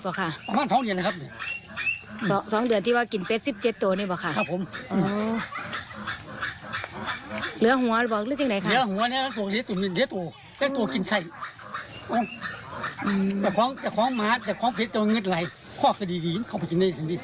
คอกก็ดีเข้าไปจึงได้อย่างนี้